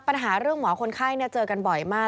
ปัญหาเรื่องหมอคนไข้เจอกันบ่อยมาก